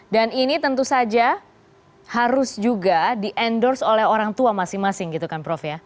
dan ini tentu saja harus juga di endorse oleh orang tua masing masing gitu kan prof ya